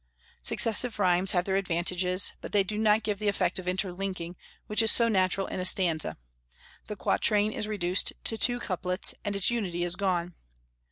Successive rhymes have their advantages, but they do not give the effect of interlinking, which is so natural in a stanza; the quatrain is reduced to two couplets, and its unity is gone.